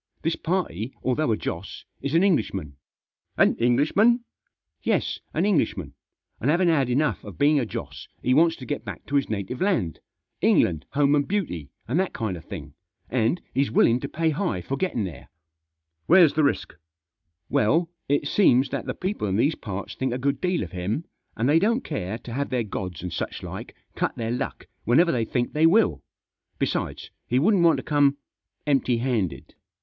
This party, although a Joss, is an Englishman." " An Englishman 1" " Yes, an Englishman ; and having had enough of being a Joss he wants to get back to his native land, 'England, home and beauty,' and that kind of thing, and he's willing to pay high for getting there." " Where's the risk?" " Well, it seems that the people in these parts think a good deal of him, and they don't care to have their gods and such like cut their lucky whenever they think Digitized by LUKE'S SUGGESTION. 237 they will. Besides, he wouldn't want to come empty handed."